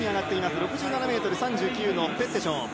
６７ｍ３９のペッテション。